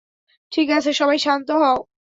ঠিক আছে, সবাই শান্ত হও।